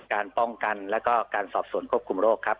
การป้องกันแล้วก็การสอบสวนควบคุมโรคครับ